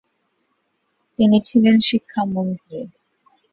তিনি ছিলেন শিক্ষামন্ত্রী।